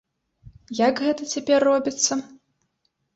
Як гэта цяпер робіцца?